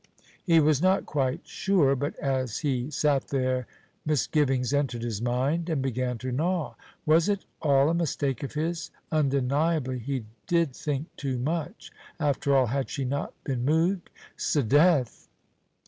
He was not quite sure, but as he sat there misgivings entered his mind and began to gnaw. Was it all a mistake of his? Undeniably he did think too much. After all, had she not been moved? 'Sdeath!